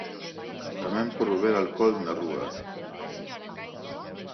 Tamén por beber alcol na rúa.